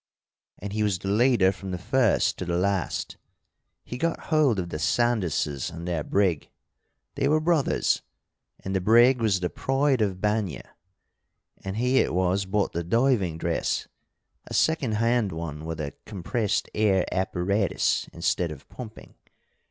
And he was the leader from the first to the last. He got hold of the Sanderses and their brig; they were brothers, and the brig was the Pride of Banya, and he it was bought the diving dress a second hand one with a compressed air apparatus instead of pumping.